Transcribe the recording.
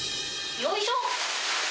よいしょ。